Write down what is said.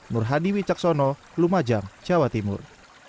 nur hadi wicaksono lumajang jawa timur